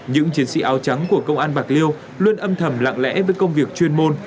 những chiến sĩ áo trắng của công an bạc liêu luôn âm thầm lặng lẽ với công việc chuyên môn